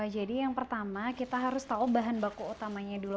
jadi yang pertama kita harus tahu bahan baku utamanya dulu